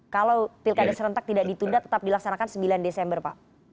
kalau pilkada serentak tidak ditunda tetap dilaksanakan sembilan desember pak